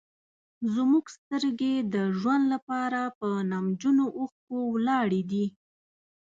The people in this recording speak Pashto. زموږ سترګې د ژوند لپاره په نمجنو اوښکو ولاړې دي.